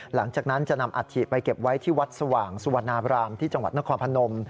หลังจากนั้นจะนำอัฐิไปเก็บไว้ที่วัดสว่างสุวรรณาบรามที่จังหวัดนครพนม